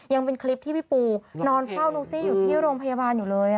ยังเป็นคลิปที่พี่ปูนอนเฝ้าน้องซี่อยู่ที่โรงพยาบาลอยู่เลย